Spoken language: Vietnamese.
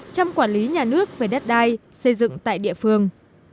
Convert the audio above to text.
trong quản lý nhà nước về đất đai xây dựng tại địa phương